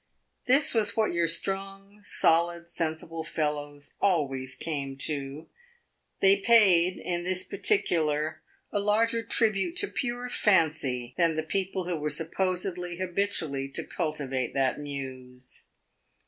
This was what your strong, solid, sensible fellows always came to; they paid, in this particular, a larger tribute to pure fancy than the people who were supposed habitually to cultivate that muse.